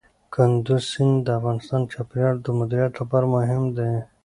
کندز سیند د افغانستان د چاپیریال د مدیریت لپاره مهم دي.